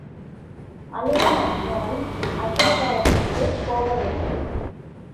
அலுவல் அற்றவன் அக்கிரகாரத்துக்குப் போக வேணும்.